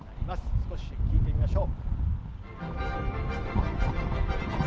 少し聴いてみましょう。